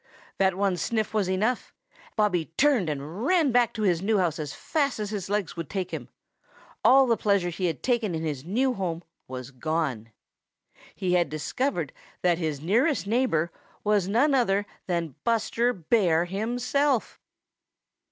That one sniff was enough. Bobby turned and ran back to his new house as fast as his legs would take him. All the pleasure he had taken in his new home was gone. He had discovered that his nearest neighbor was none other than Buster Bear himself!